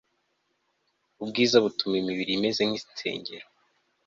Ubwiza butuma imibiri imeze nkinsengero